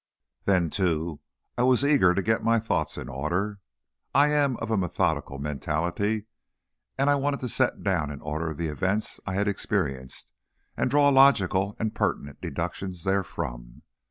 Then, too, I was eager to get my thoughts in order. I am of a methodical mentality, and I wanted to set down in order the events I had experienced and draw logical and pertinent deductions therefrom.